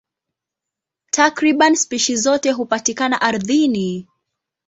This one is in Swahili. Takriban spishi zote hupatikana ardhini.